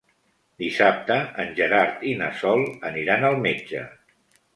Dissabte en Gerard i na Sol aniran al metge.